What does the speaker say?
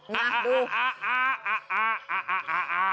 นะดูอ่าอ่าอ่าอ่าอ่าอ่าอ่า